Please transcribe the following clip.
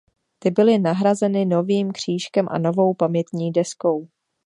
Ty byly nahrazeny novým křížkem a novou pamětní deskou.